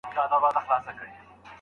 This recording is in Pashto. نو مانا یې روښانه کېږي.